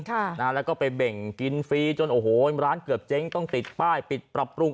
ค่ะนะฮะแล้วก็ไปเบ่งกินฟรีจนโอ้โหร้านเกือบเจ๊งต้องติดป้ายปิดปรับปรุง